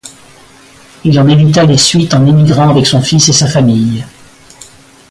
Il en évita les suites en émigrant avec son fils et sa famille.